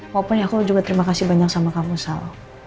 walaupun aku juga terima kasih banyak sama kamu sal